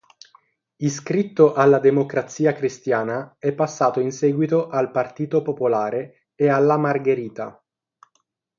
Iscritto alla Democrazia Cristiana, è passato in seguito al Partito Popolare e alla Margherita.